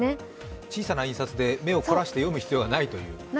小さな印刷で目を凝らして読む必要がないということですね。